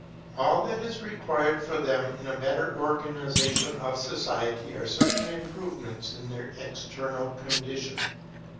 All that is required for them in a better organization of society are certain improvements in their external condition.